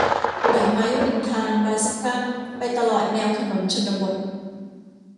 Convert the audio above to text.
ดอกไม้ริมทางบานสะพรั่งไปตลอดแนวถนนชนบท